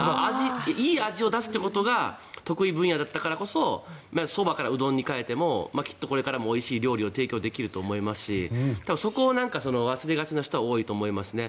いい味を出すということが得意分野だったからこそそばからうどんに変えてもきっとこれからもおいしい料理を提供できると思いますしそこを忘れがちな人は多いと思いますね。